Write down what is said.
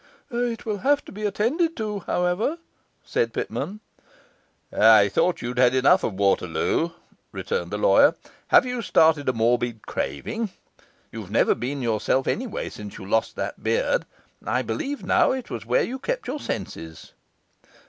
'It will have to be attended to, however,' said Pitman. 'I thought you'd had enough of Waterloo,' returned the lawyer. 'Have you started a morbid craving? You've never been yourself anyway since you lost that beard. I believe now it was where you kept your senses.